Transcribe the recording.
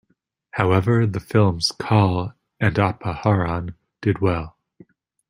However, the films "Kaal" and "Apaharan" did well.